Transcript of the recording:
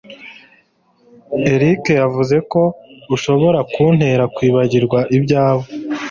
Eric yavuze ko ushobora kuntera kwibagirwa ibyawe.